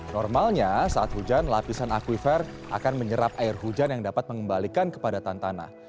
normalnya saat hujan lapisan akuifer akan menyerap air hujan yang dapat mengembalikan kepadatan tanah